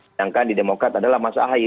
sedangkan di demokrat adalah mas ahy